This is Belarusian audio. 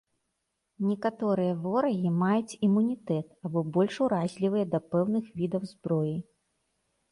Некаторыя ворагі маюць імунітэт або больш уразлівыя да пэўных відаў зброі.